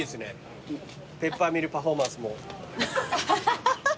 ペッパーミルパフォーマンスも。